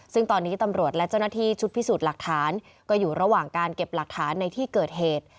ซึ่งตอนนี้ตำรวจและเจ้าหน้าที่ชุดพิสูจน์หลักฐานก็อยู่ระหว่างการเก็บหลักฐานในที่เกิดเหตุ